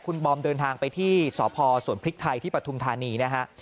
คุณบอมเดินทางไปที่สพสวนพริกไทยที่ปฐุมธานีนะฮะ